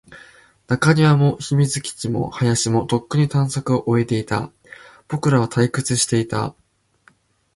中庭も、秘密基地も、林も、とっくに探索を終えていた。僕らは退屈していた。